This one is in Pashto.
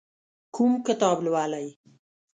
کوم کتاب لولئ؟